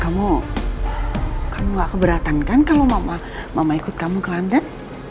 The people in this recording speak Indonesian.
kamu kamu gak keberatan kan kalau mama ikut kamu ke london